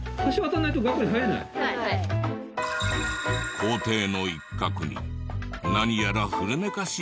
校庭の一角に何やら古めかしい建物。